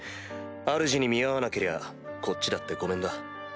あるじに見合わなけりゃこっちだってごめんだ。